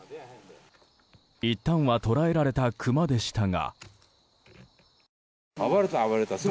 いったんは捕らえられたクマでしたが。